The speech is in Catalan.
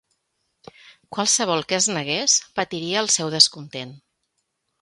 Qualsevol que es negués "patiria el seu descontent".